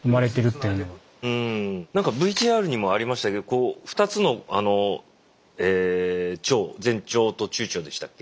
なんかＶＴＲにもありましたけど２つの腸前腸と中腸でしたっけ。